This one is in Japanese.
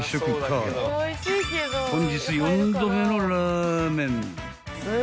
［本日４度目のラーメン］